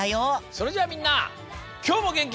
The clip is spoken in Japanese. それじゃあみんなきょうもげんきに。